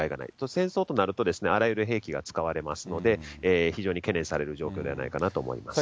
戦争となると、あらゆる兵器が使われますので、非常に懸念される状況ではないかなと思います。